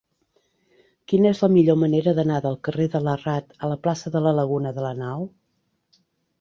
Quina és la millor manera d'anar del carrer de Larrard a la plaça de la Laguna de Lanao?